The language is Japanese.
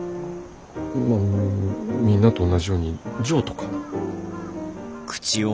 まあみんなと同じようにジョーとか。